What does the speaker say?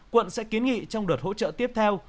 quận sẽ kiến nghị trong đợt hỗ trợ tiếp theo